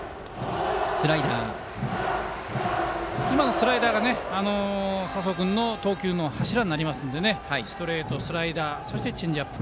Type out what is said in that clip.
今のスライダーが佐宗君の投球の柱になりますのでストレート、スライダーそしてチェンジアップ。